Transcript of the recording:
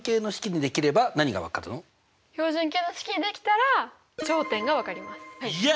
標準形の式にできたら頂点がわかります！